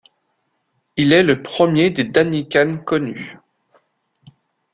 Il est le premier des Danican connus.